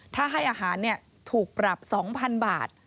ถ้าให้อาหารถูกปรับ๒๐๐๐บาท